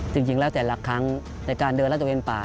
จริงแล้วแต่ละครั้งในการเดินลาดตระเวนป่า